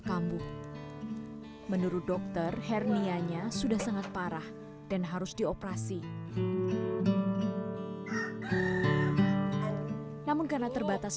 kamu menurut dokter hernia nya sudah sangat parah dan harus dioperasi namun karena terbatas